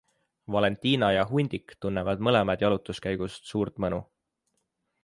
Valentina ja Hundik tunnevad mõlemad jalutuskäigust suurt mõnu.